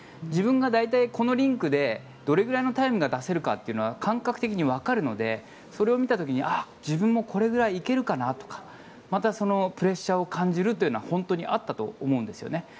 自分が大体このリンクでどれくらいのタイムが出せるかというのは感覚的にわかるのでそれを見た時にあっ、自分もこれくらい行けるかな？とかまたプレッシャーを感じるのは本当にあったと思うんですね。